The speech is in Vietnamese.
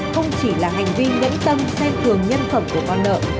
không chỉ là hành vi nhẫn tâm xe thường nhân phẩm của con nợ